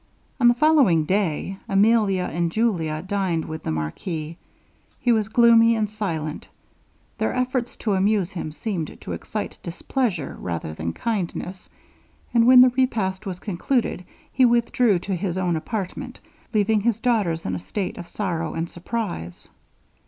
On the following day Emilia and Julia dined with the marquis. He was gloomy and silent; their efforts to amuse him seemed to excite displeasure rather than kindness; and when the repast was concluded, he withdrew to his own apartment, leaving his daughters in a state of sorrow and surprise.